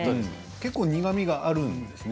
結構苦みがあるんですね。